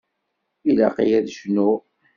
Ilaq-iyi ad cnuɣ.